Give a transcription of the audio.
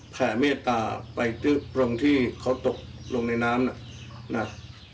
แผ่เมตตาไปตรงที่เขาตกลงในน้ำน่ะนะ